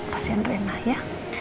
kasian rena ya